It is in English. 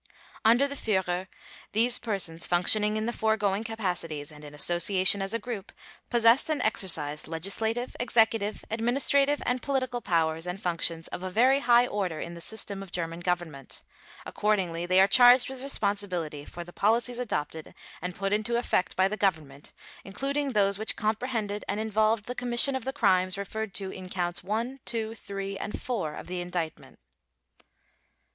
Under the Führer, these persons functioning in the foregoing capacities and in association as a group, possessed and exercised legislative, executive, administrative, and political powers and functions of a very high order in the system of German Government. Accordingly, they are charged with responsibility for the policies adopted and put into effect by the Government including those which comprehended and involved the commission of the crimes referred to in Counts One, Two, Three, and Four of the Indictment.